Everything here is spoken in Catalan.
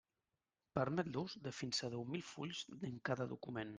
Permet l'ús de fins a deu mil fulls en cada document.